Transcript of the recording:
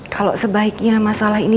kalau sebaiknya masalah ini